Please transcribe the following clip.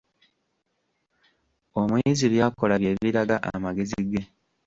Omuyizi by'akola bye biraga amagezi ge.